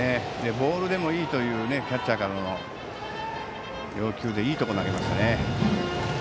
ボールでもいいというキャッチャーからの要求でいいところに投げました。